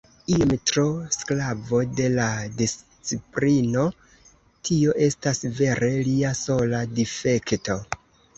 Iom tro sklavo de la disciplino; tio estas vere lia sola difekto.